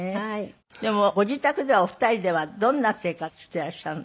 でもご自宅ではお二人ではどんな生活していらっしゃるの？